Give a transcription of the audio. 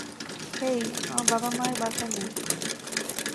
হেই, আমার বাবা-মা বাসায় নেই।